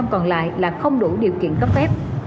bảy mươi ba năm còn lại là không đủ điều kiện cấp phép